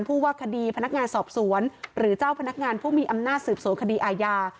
ว่าคดีพนักงานสอบสวนหรือเจ้าพนักงานผู้มีอำนาจสืบสวนคดีอาญา